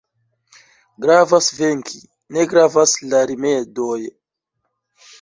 Gravas venki, ne gravas la rimedoj.